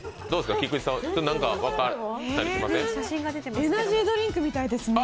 エナジードリンクみたいですね。